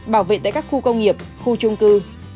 bảo vệ tại các khu công nghiệp khu trung cư